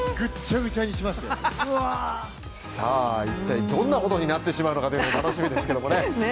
一体どんなことになってしまうのか楽しみですけどもね。